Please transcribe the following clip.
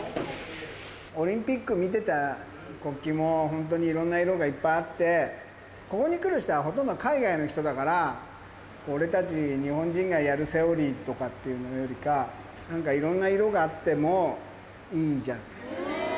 オリンピック見てたら、国旗も本当にいろんな色がいっぱいあって、ここに来る人はほとんど海外の人だから、俺たち日本人がやるセオリーとかっていうのよりかは、なんかいろんな色があってもいいじゃん。